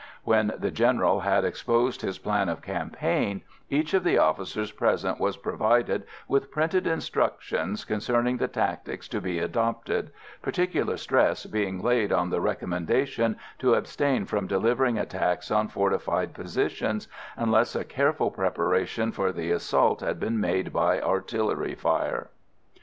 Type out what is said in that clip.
When the General had exposed his plan of campaign, each of the officers present was provided with printed instructions concerning the tactics to be adopted, particular stress being laid on the recommendation to abstain from delivering attacks on fortified positions, unless a careful preparation for the assault had been made by artillery fire.